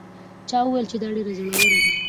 چا وویل چې دا ډېره زړه وره ده.